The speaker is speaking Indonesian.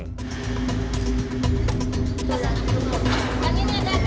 yang ini ada yang satu ini ada